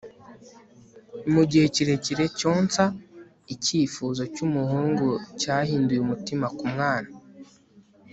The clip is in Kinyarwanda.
mu igihe kirekire cyonsa icyifuzo cyumuhungu cyahinduye umutima kumwana